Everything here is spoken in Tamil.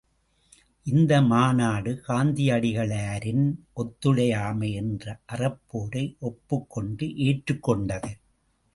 இந்த மாநாடு காந்தியடிகளாரின் ஒத்துழையாமை என்ற அறப்போரை ஒப்புக் கொண்டு ஏற்றுக் கொண்டது.